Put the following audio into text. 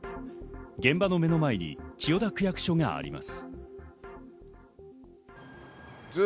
現場の目の前に千代田区役所があります。